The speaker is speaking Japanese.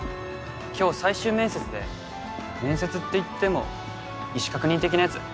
今日最終面接で面接っていっても意思確認的なやつ。